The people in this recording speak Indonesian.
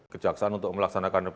kejaksaan untuk melaksanakan